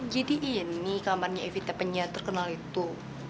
jadi ini kamarnya evita penyiar terkenal itu